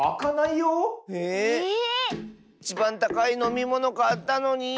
いちばんたかいのみものかったのに。